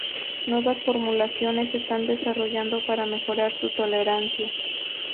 Nuevas formulaciones se están desarrollando para mejorar su tolerancia.